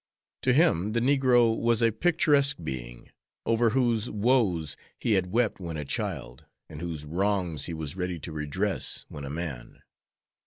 To him the negro was a picturesque being, over whose woes he had wept when a child, and whose wrongs he was ready to redress when a man.